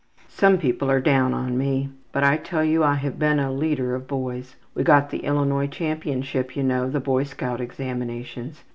``Some people are down on me, but I tell you I have been a leader of boys. We got the Illinois championship you know, the boy scout examinations.